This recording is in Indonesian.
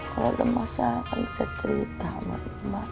kalau ada masalah kan bisa cerita sama ibu mak